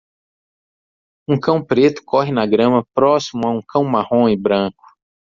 Um cão preto corre na grama próximo a um cão marrom e branco.